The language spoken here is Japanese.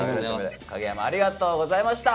影山ありがとうございました。